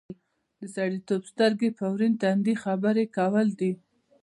د سړیتوب سترګې په ورین تندي خبرې کول دي.